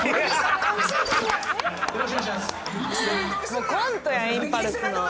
もうコントやんインパルスの。